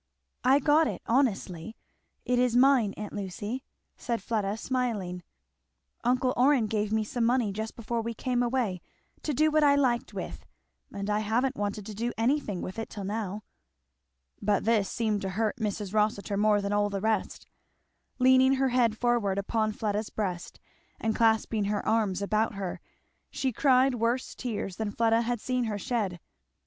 "I got it honestly. It is mine, aunt Lucy," said Fleda smiling. "Uncle Orrin gave me some money just before we came away, to do what I liked with; and I haven't wanted to do anything with it till now." But this seemed to hurt Mrs. Rossitur more than all the rest. Leaning her head forward upon Fleda's breast and clasping her arms about her she cried worse tears than Fleda had seen her shed.